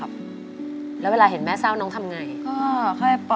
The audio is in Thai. อะไรอีเหรอึกเลย